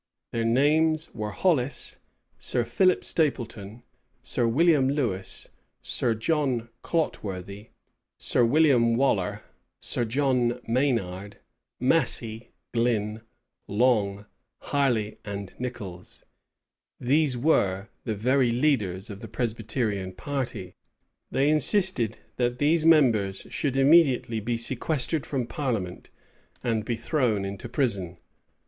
Their names were Hollis, Sir Philip Stapleton, Sir William Lewis, Sir John Clotworthy, Sir William Waller, Sir John Maynard, Massey, Glyn, Long, Harley, and Nichols.[] These were the very leaders of the Presbyterian party. They insisted, that these members should immediately be sequestered from parliament, and be thrown into prison.